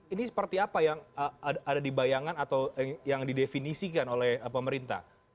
ini seperti apa yang ada di bayangan atau yang didefinisikan oleh pemerintah